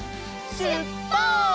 しゅっぱつ！